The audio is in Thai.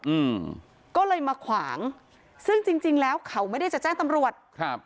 อืมก็เลยมาขวางซึ่งจริงจริงแล้วเขาไม่ได้จะแจ้งตำรวจครับ